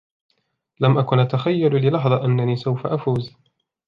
لم أكن أتخيل للحظة أنني سوف أفوز.